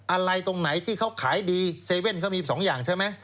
อะไรตรงไหนที่เขาขายดีเซเว่นเขามี๒อย่างใช่ไหม